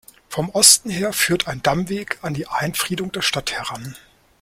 Vom Osten her führt ein Dammweg an die Einfriedung der Stadt heran.